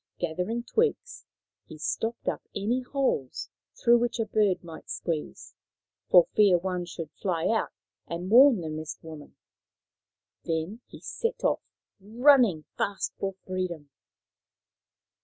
Gathering twigs, he stopped up any holes through which a bird might squeeze, for fear one should fly out and warn the Mist woman. Then he set off, running fast for free dom.